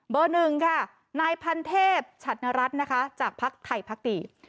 เบอร์หนึ่งค่ะนายพันเทพชัตนรัฐนะคะจากพักไทยพักตี